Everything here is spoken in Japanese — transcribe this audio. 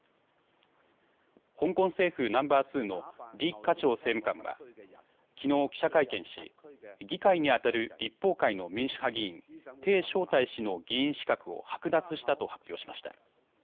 香港政府ナンバー２の李家超政務官はきのう記者会見し議会にあたる立法会の民主派議員鄭松泰氏の議員資格を剥奪したと発表しました。